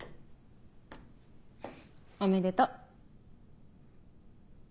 おめでとう。